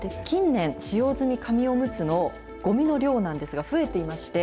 近年、使用済み紙おむつのごみの量なんですが、増えていまして、